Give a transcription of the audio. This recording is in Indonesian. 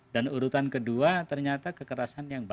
dan urutan kedua ternyata kekerasan yang besar